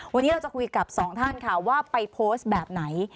วันนี้เราจะคุยกับสองท่านค่ะว่าไปโพสต์แบบไหน